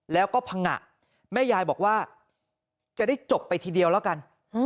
แล้วก็พังงะแม่ยายบอกว่าจะได้จบไปทีเดียวแล้วกัน